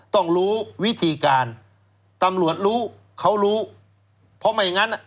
ต้องรู้วิธีการตำรวจรู้เขารู้เพราะไม่อย่างนั้น